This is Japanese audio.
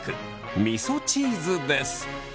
みそチーズです。